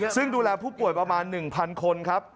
ซึ่งดูแลผู้ป่วยประมาณ๑๐๐คนครับ